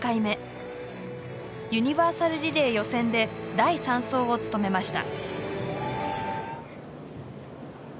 ユニバーサルリレー予選で第３走を務めました。